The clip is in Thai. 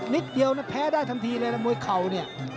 นิดเดียวนะแพ้ได้ทันทีเลยนะมวยเข่าเนี่ย